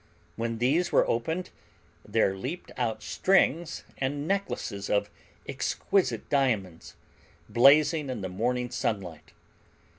When these were opened there leaped out strings and necklaces of exquisite diamonds, blazing in the morning sunlight.